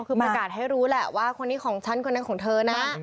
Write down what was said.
คือประกาศให้รู้แหละว่าคนนี้ของฉันคนนั้นของเธอนะ